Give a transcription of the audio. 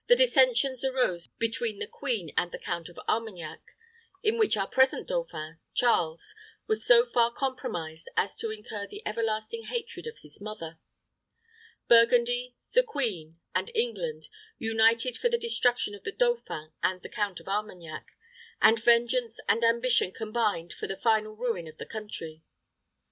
Dissensions arose between the queen and the Count of Armagnac, in which our present dauphin, Charles, was so far compromised as to incur the everlasting hatred of his mother. Burgundy, the queen, and England, united for the destruction of the dauphin and the Count of Armagnac, and vengeance and ambition combined for the final ruin of the country.